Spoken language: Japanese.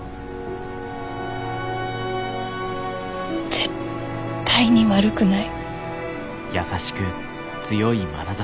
絶対に悪くない。